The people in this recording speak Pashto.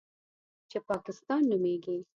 چې پاکستان نومېږي.